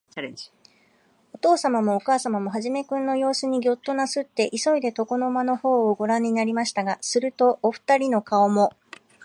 おとうさまもおかあさまも、始君のようすにギョッとなすって、いそいで、床の間のほうをごらんになりましたが、すると、おふたりの顔も、